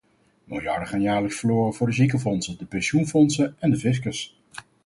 Miljarden gaan jaarlijks verloren voor de ziekenfondsen, de pensioenfondsen en de fiscus.